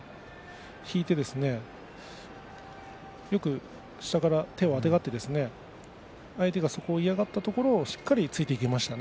引いてですねよく下から手をあてがって相手が嫌がったところをしっかりとついていきましたね。